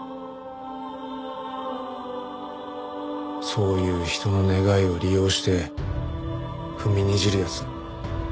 そういう人の願いを利用して踏みにじる奴